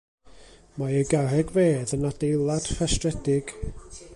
Mae ei garreg fedd yn adeilad rhestredig.